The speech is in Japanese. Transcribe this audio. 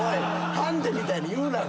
ハンディみたいに言うなよ。